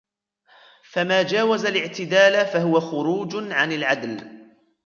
فَمَا جَاوَزَ الِاعْتِدَالَ فَهُوَ خُرُوجٌ عَنْ الْعَدْلِ